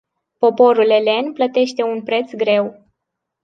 Poporul elen plătește un preț greu.